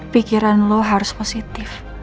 pikiran lu harus positif